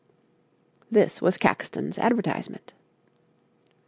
This was Caxton's advertisement.